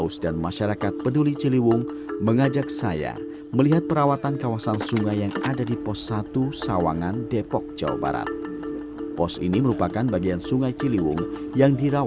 sampai jumpa di video selanjutnya